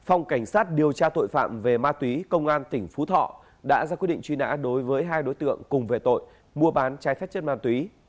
phòng cảnh sát điều tra tội phạm về ma túy công an tỉnh phú thọ đã ra quyết định truy nã đối với hai đối tượng cùng về tội mua bán trái phép chất ma túy